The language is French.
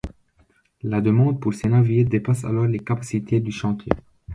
La demande pour ces navires dépasse alors les capacités du chantier.